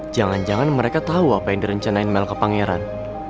jangan jangan mereka tahu apa yang direncanain mel ke pangeran